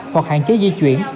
hoặc hạn chế di chuyển